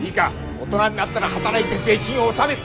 大人になったら働いて税金を納める。